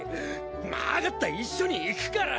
分かった一緒に行くから！